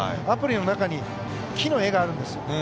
アプリの中に木の絵があるんですよ。